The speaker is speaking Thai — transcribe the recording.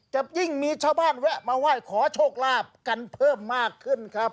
จะยิ่งมีชาวบ้านแวะมาไหว้ขอโชคลาภกันเพิ่มมากขึ้นครับ